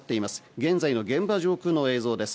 現在の現場上空の映像です。